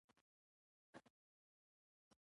د دې کار اصلي علت د همغږۍ نشتون دی